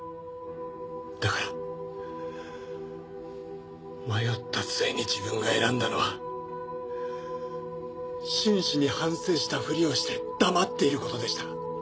だから迷った末に自分が選んだのは真摯に反省したふりをして黙っていることでした。